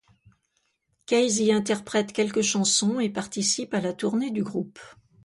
Case y interprète quelques chansons et participe à la tournée du groupe.